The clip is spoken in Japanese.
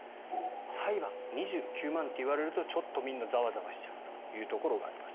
裁判、２９万と言われるとちょっとみんなざわざわしちゃうところがあります。